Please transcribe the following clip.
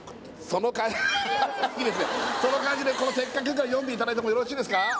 その感じでこの「せっかく」から読んでいただいてもよろしいですか？